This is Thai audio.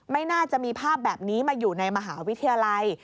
ไม่น่าจะมีภาพแบบนี้มาอยู่ในมหาวิทยาลัย